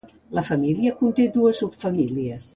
La família conté dues subfamílies.